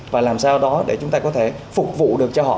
và làm sao đó để chúng ta có thể phục vụ được cho họ